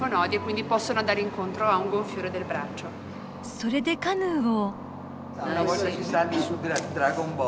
それでカヌーを。